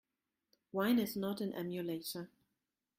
Wine is not an emulator.